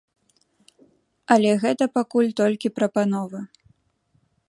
Але гэта пакуль толькі прапанова.